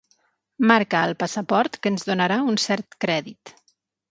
Marca al passaport que ens donarà un cert crèdit.